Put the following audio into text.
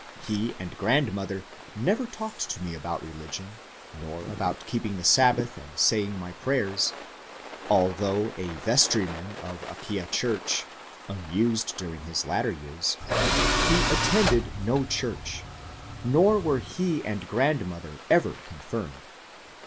He and grandmother never talked to me about religion, nor about keeping the Sabbath and saying my prayers. Al though a vestryman of Aquia church (unused during his later years), he* attended no church, nor were he and grand mother ever *^ confirmed."